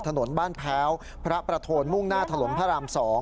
ถนนบ้านแพ้วพระประโทนมุ่งหน้าถนนพระราม๒